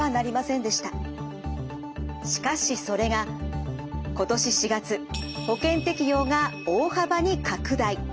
しかしそれが今年４月保険適用が大幅に拡大。